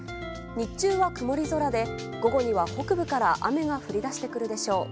日中は曇り空で午後には、北部から雨が降り出してくるでしょう。